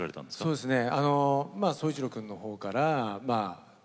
そうですね。